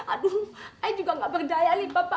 aduh ay juga nggak berdaya ini papa